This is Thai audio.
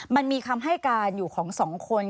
มันมีคำให้การอยู่ของสองคน